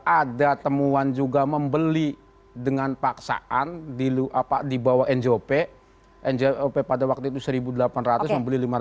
ada temuan juga membeli dengan paksaan diluap dibawa ngopi ngopi pada waktu itu seribu delapan ratus membeli